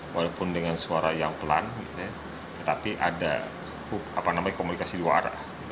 walaupun dengan suara yang pelan tetapi ada komunikasi luar